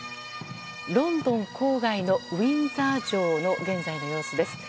ロンドン郊外のウィンザー城の現在の様子です。